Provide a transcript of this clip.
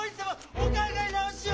お考え直しを！